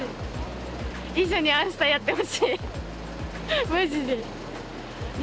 一緒に「あんスタ」やってほしいまじで。